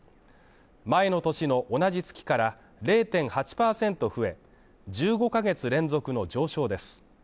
前の年の同じ月から０．８％増え、１５ヶ月連続の上昇です。